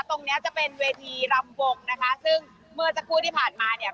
ตรงนี้จะเป็นเวทีรำวงนะคะซึ่งเมื่อจะพูดดิผ่านมาเนี่ย